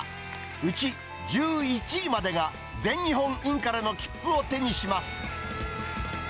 うち１１位までが全日本インカレの切符を手にします。